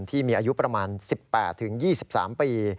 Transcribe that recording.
ที่มีอายุประมาณ๑๘๒๓ปี